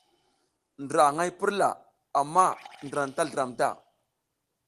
Ndra aƞ hay purla amma ndra anta zliram ta.